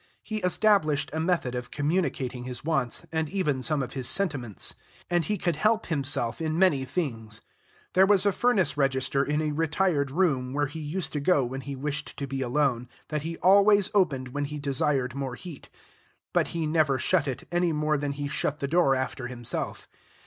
He established a method of communicating his wants, and even some of his sentiments; and he could help himself in many things. There was a furnace register in a retired room, where he used to go when he wished to be alone, that he always opened when he desired more heat; but he never shut it, any more than he shut the door after himself.